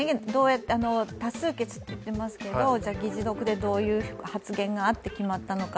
多数決だといいますけど議事録でどういう発言があって決まったのか。